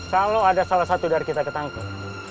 kalau ada salah satu dari kita ketangkep